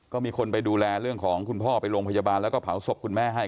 ก็มีคนไปดูแลเรื่องของคุณพ่อไปโรงพยาบาลแล้วก็เผาศพคุณแม่ให้